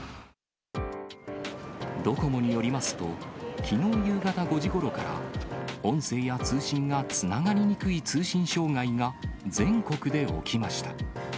ドコモによりますと、きのう夕方５時ごろから、音声や通信がつながりにくい通信障害が全国で起きました。